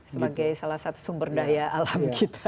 sebagai salah satu sumber daya alam kita